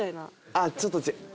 あっちょっと違う。